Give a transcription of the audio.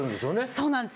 そうなんです。